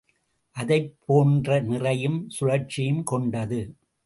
அதைப் போன்ற நிறையும் சுழற்சியும் கொண்டது.